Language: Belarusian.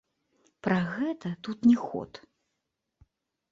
Пра гэта тут не ход!